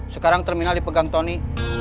sekarang terminal dipegang tony